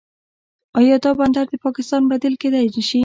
آیا دا بندر د پاکستان بدیل کیدی نشي؟